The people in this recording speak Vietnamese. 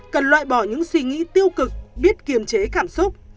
cần loại bỏ những suy nghĩ tiêu cực biết kiềm chế cảm xúc